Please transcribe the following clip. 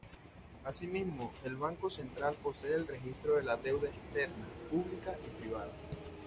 Asimismo, el banco central posee el registro de la deuda externa, pública y privada.